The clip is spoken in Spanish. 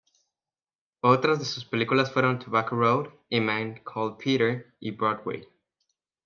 Otras de sus películas fueron "Tobacco Road", "A Man Called Peter", y "Broadway".